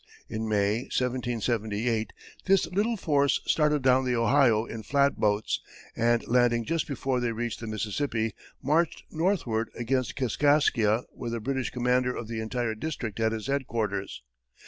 In May, 1778, this little force started down the Ohio in flat boats, and landing just before they reached the Mississippi, marched northward against Kaskaskia, where the British commander of the entire district had his headquarters.